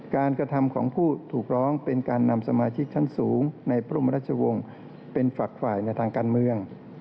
กระทำของผู้ถูกร้องเป็นการนำสมาชิกชั้นสูงในพระบรมราชวงศ์เป็นฝักฝ่ายในทางการเมือง